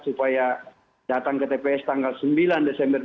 supaya datang ke tps tanggal sembilan desember dua ribu dua puluh